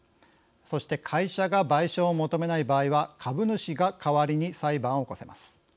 そして会社が賠償を求めない場合は株主が代わりに裁判を起こせます。